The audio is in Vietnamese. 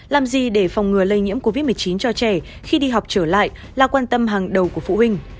làm gì để phòng ngừa lây nhiễm covid một mươi chín cho trẻ khi đi học trở lại là quan tâm hàng đầu của phụ huynh